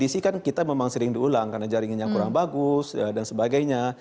kondisi kan kita memang sering diulang karena jaringannya kurang bagus dan sebagainya